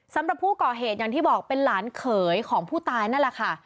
สำหรับผู้ก่อเหตุอย่างที่บอกเป็นหลานเขยของผู้ตายนั่นแหละค่ะ